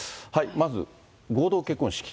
まず、合同結婚式。